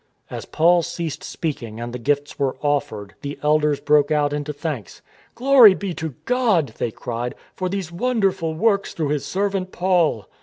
As Paul ceased speaking and the gifts were offered, the elders broke out into thanks. " Glory be to God," they cried, " for these wonder ful works through his servant Paul."